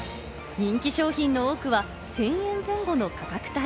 人気商品の多くは１０００円前後の価格帯。